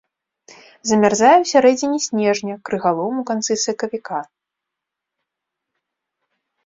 Замярзае ў сярэдзіне снежня, крыгалом у канцы сакавіка.